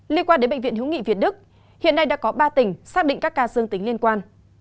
liên quan đến bệnh viện hữu nghị việt đức hiện nay đã có ba tỉnh xác định các ca dương tính liên quan